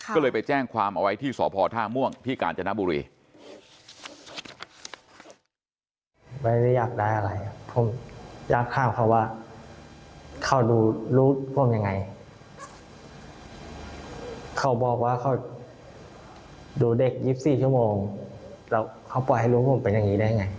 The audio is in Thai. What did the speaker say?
ก็เลยไปแจ้งความเอาไว้ที่สพท่าม่วงที่กาญจนบุรี